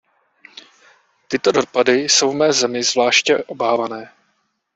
Tyto dopady jsou v mé zemi zvláště obávané.